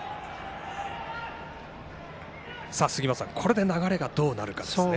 杉本さん、これで流れがどうなるかですね。